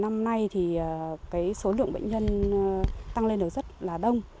năm nay thì số lượng bệnh nhân tăng lên được rất là đông